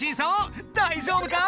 大丈夫か？